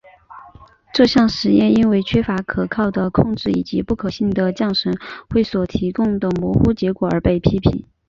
这项实验因为缺乏可靠的控制以及不可信的降神会所提供的模糊结果而被批评。